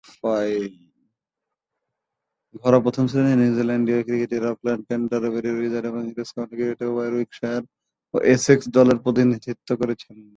ঘরোয়া প্রথম-শ্রেণীর নিউজিল্যান্ডীয় ক্রিকেটে অকল্যান্ড, ক্যান্টারবারি উইজার্ড এবং ইংরেজ কাউন্টি ক্রিকেটে ওয়ারউইকশায়ার ও এসেক্স দলের প্রতিনিধিত্ব করেছেন।